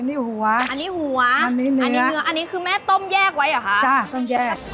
อันนี้หัวอันนี้หัวอันนี้เนื้ออันนี้คือแม่ต้มแยกไว้เหรอคะจ้ะต้องแยก